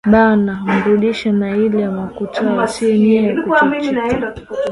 Bana murudisha na ile makuta ase niya kukachika